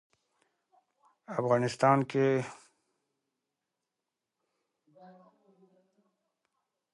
بس په زړه کي یې کراري اندېښنې سوې